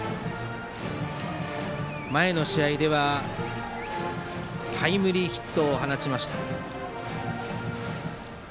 前の試合ではタイムリーヒットを放ちました。